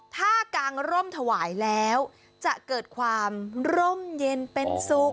ถ้ากางร่มถวายแล้วจะเกิดความร่มเย็นเป็นสุข